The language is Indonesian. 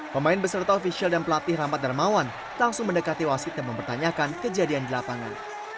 pemain beserta ofisial dan pelatih rahmat darmawan langsung mendekati wasit dan mempertanyakan kejadian di lapangan